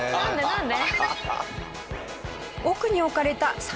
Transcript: なんで？